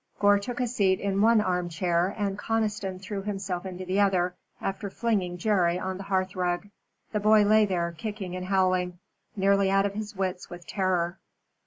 Gore took a seat in one arm chair and Conniston threw himself into the other, after flinging Jerry on the hearth rug. The boy lay there, kicking and howling, nearly out of his wits with terror.